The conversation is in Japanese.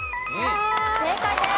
正解です。